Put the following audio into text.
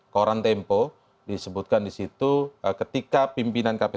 koran tempo disebutkan disitu ketika pimpinan kpk